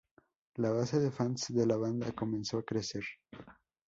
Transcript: La base de fans de la banda comenzó a crecer.